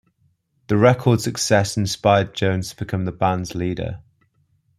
The record's success inspired Jones to become the band's leader.